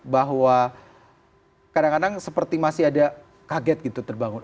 bahwa kadang kadang seperti masih ada kaget gitu terbangun